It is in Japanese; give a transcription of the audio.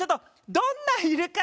どんなイルカ？